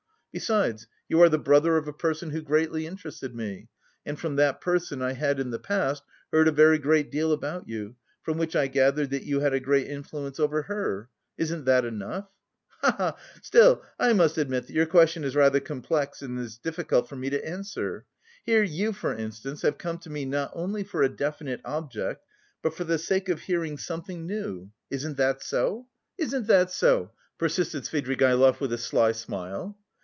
Besides you are the brother of a person who greatly interested me, and from that person I had in the past heard a very great deal about you, from which I gathered that you had a great influence over her; isn't that enough? Ha ha ha! Still I must admit that your question is rather complex, and is difficult for me to answer. Here, you, for instance, have come to me not only for a definite object, but for the sake of hearing something new. Isn't that so? Isn't that so?" persisted Svidrigaïlov with a sly smile.